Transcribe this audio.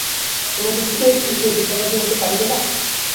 কোনো কিছুতেই কি সে কৃতকার্য হইতে পারিবে না।